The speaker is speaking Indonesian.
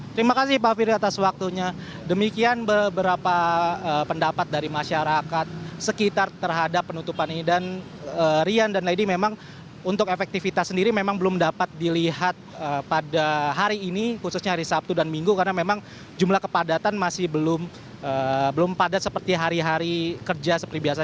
terima kasih pak firda atas waktunya demikian beberapa pendapat dari masyarakat sekitar terhadap penutupan ini dan rian dan lady memang untuk efektivitas sendiri memang belum dapat dilihat pada hari ini khususnya hari sabtu dan minggu karena memang jumlah kepadatan masih belum padat seperti hari hari kerja seperti biasanya